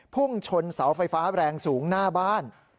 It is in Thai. พุ่งชนเสาไฟฟ้าแรงสูงหน้าบ้าน